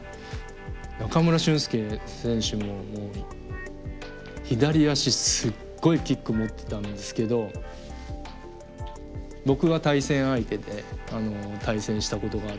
中村俊輔選手ももう左足すっごいキック持ってたんですけど僕は対戦相手で対戦したことがあって。